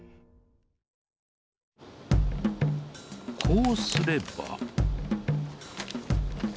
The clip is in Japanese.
こうすれば。